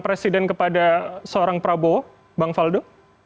presiden kepada seorang prabowo bang faldo